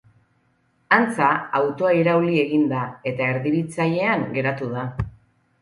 Antza, autoa irauli egin da eta erdibitzailean geratu da.